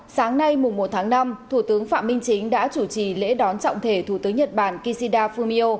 sáng nay mùng một tháng năm thủ tướng phạm minh chính đã chủ trì lễ đón trọng thể thủ tướng nhật bản kishida fumio